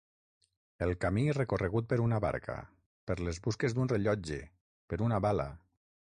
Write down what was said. El camí recorregut per una barca, per les busques d'un rellotge, per una bala.